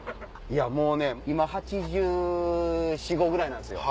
もう今８４８５ぐらいなんすよ。